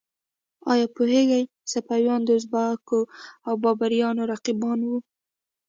ایا پوهیږئ صفویان د ازبکو او بابریانو رقیبان وو؟